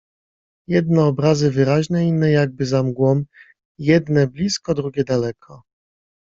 Jedne obrazy wyraźne, inne jakby za mgłą, jedne blisko, drugie daleko.